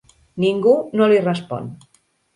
Ningú no li respon.